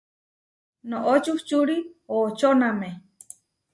Noʼó čuhčuri očóname.